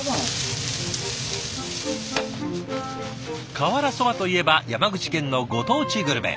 瓦そばといえば山口県のご当地グルメ。